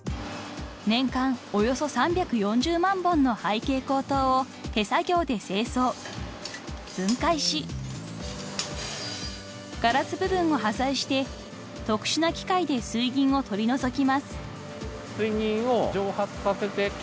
［年間およそ３４０万本の廃蛍光灯を手作業で清掃分解しガラス部分を破砕して特殊な機械で水銀を取り除きます］